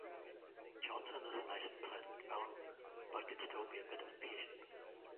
Johnson is a nice and pleasant fellow, but can still be a bit impatient.